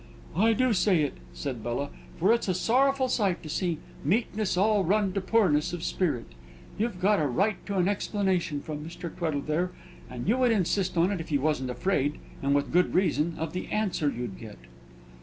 "I do say it," said Bella; "for it's a sorrowful sight to see meekness all run to poorness of spirit. You have a right to an explanation from Mr. Tweddle there; and you would insist on it, if you wasn't afraid (and with good reason) of the answer you'd get!"